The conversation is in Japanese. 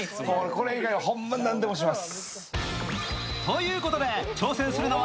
これ以外はほんまに何でもします。